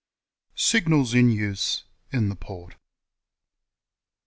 SIGNALS IN USE IN THE PORT.